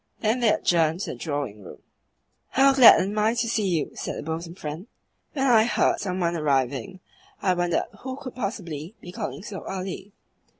Then they adjourned to the drawing room. "How glad I am to see you!" said the bosom friend. "When I heard some one arriving I wondered who could possibly be calling so early.